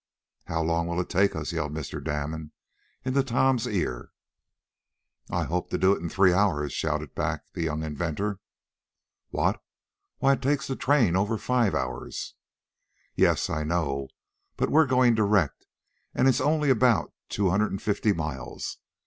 "How long will it take us?" yelled Mr. Damon into Tom's ear. "I hope to do it in three hours," shouted back the young inventor. "What! Why it takes the train over five hours." "Yes, I know, but we're going direct, and it's only about two hundred and fifty miles.